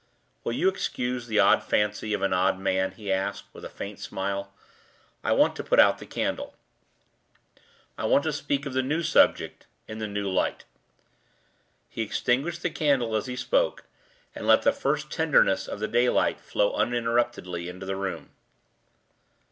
"Will you excuse the odd fancy of an odd man?" he asked, with a faint smile. "I want to put out the candle: I want to speak of the new subject, in the new light." He extinguished the candle as he spoke, and let the first tenderness of the daylight flow uninterruptedly into the room.